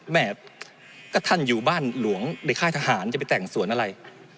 แม่ก็ท่านอยู่บ้านหลวงในค่ายทหารจะไปแต่งสวนอะไร